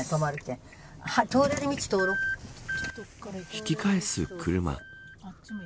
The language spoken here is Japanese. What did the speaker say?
引き返す車。